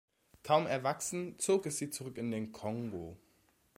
Kaum erwachsen, zog es sie zurück in den Kongo.